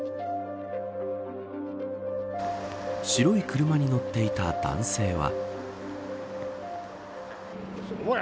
白い車に乗っていた男性は。